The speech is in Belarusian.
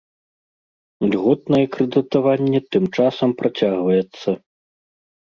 Льготнае крэдытаванне тым часам працягваецца.